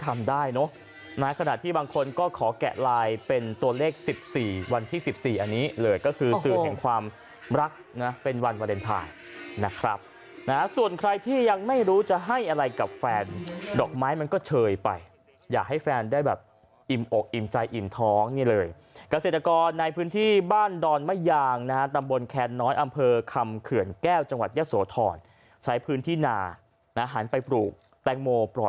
มันน่ารักออกคือแบบเราก็แจกทุกคนใช่ไหมคุณผู้ชม